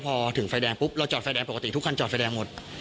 พอถึงไฟแดงปุ๊บเราจอดไฟแดงปกติทุกคันจอดไฟแดงหมด